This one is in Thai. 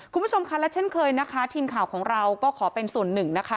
คุณผู้ชมค่ะและเช่นเคยนะคะทีมข่าวของเราก็ขอเป็นส่วนหนึ่งนะคะ